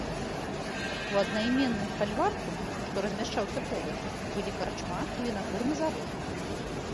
У аднайменным фальварку, што размяшчаўся побач, былі карчма і вінакурны завод.